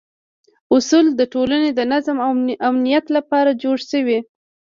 اصول د ټولنې د نظم او امنیت لپاره جوړ شوي.